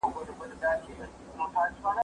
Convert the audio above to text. ايا ته بازار ته ځې.